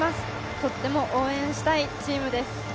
とっても応援したいチームです。